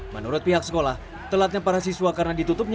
menurut pihak sekolah telatnya para siswa karena ditutupnya